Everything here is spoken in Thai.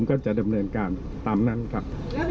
ก็จะดำเนินการตามนั้นครับ